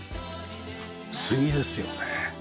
杉ですよね。